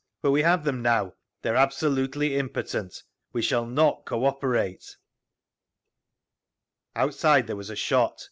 But we have them now—they are absolutely impotent…. We shall not cooperate…." Outside there was a shot.